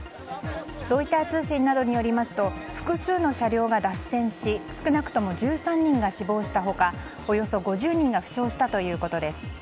ロイター通信などによりますと複数の車両が脱線し少なくとも１３人が死亡したほかおよそ５０人が負傷したということです。